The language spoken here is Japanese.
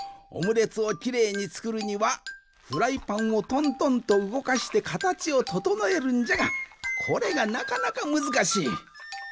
オムレツをきれいにつくるにはフライパンをトントンとうごかしてかたちをととのえるんじゃがこれがなかなかむずかしい。